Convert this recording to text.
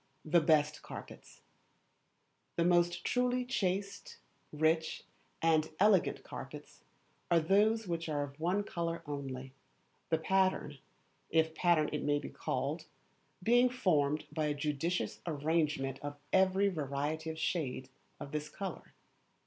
The Best Carpets The most truly chaste, rich, and elegant carpets are those which are of one colour only, the pattern, if pattern it may be called, being formed by a judicious arrangement of every variety of shade of this colour.